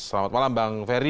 selamat malam bang fahri